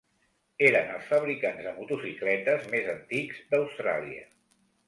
Eren els fabricants de motocicletes més antics d'Austràlia.